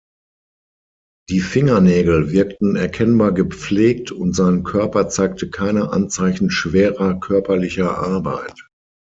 Die Fingernägel wirkten erkennbar gepflegt und sein Körper zeigte keine Anzeichen schwerer körperlicher Arbeit.